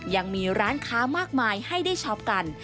ยังมีร้านค้ามากมายให้ได้ช็อปกัน